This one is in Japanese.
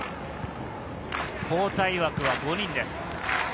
交代枠は５人です。